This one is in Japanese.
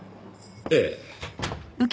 ええ。